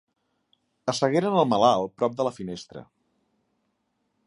Assegueren el malalt prop de la finestra.